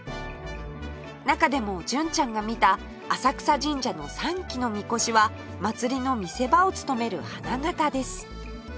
中でも純ちゃんが見た浅草神社の３基の神輿は祭りの見せ場を務める花形です